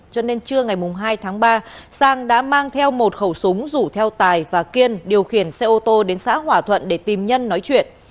cho nên trưa ngày hai tháng ba sang đã mang theo một khẩu súng rủ theo tài và kiên điều khiển xe ô tô đến xã hòa thuận để tìm nhân nói chuyện